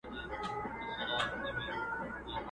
لا د نمرودي زمانې لمبې د اور پاته دي؛